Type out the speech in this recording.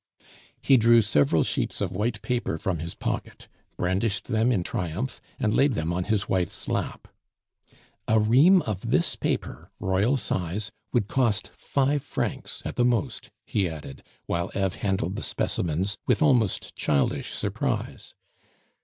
He drew several sheets of white paper from his pocket, brandished them in triumph, and laid them on his wife's lap. "A ream of this paper, royal size, would cost five francs at the most," he added, while Eve handled the specimens with almost childish surprise.